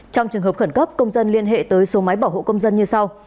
trong trường hợp khẩn cấp công dân liên hệ tới số máy bảo hộ công dân như sau